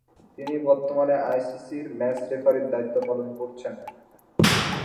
বর্তমানে তিনি আইসিসি’র ম্যাচ রেফারি’র দায়িত্ব পালন করছেন।